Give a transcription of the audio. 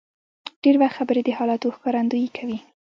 ډېر وخت خبرې د حالاتو ښکارندویي کوي.